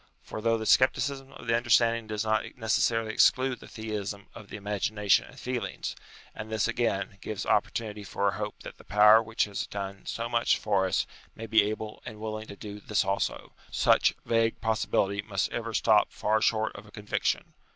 For, though the scepti cism of the understanding does not necessarily exclude the Theism of the imagination and feelings, and this, again, gives opportunity for a hope that the power which has done so much for us may be able and willing to do this also, such vague possibility must ever stop far short of a conviction.